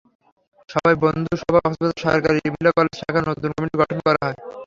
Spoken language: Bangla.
সভায় বন্ধুসভা কক্সবাজার সরকারি মহিলা কলেজ শাখার নতুন কমিটি গঠন করা হয়।